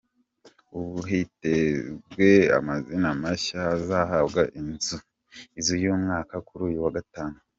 Ubu hitezwe amazina mashya azahabwa iz’uyu mwaka kuri uyu wagatanu.